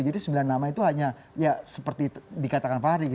jadi sembilan nama itu hanya seperti dikatakan fahri